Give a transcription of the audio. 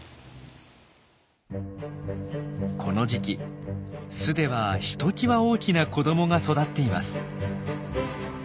この時期巣ではひときわ大きな子どもが育っています。